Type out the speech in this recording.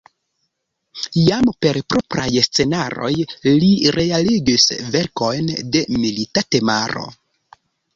Jam per propraj scenaroj li realigis verkojn de milita temaro.